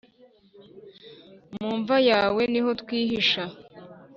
mu mva yawe niho twihisha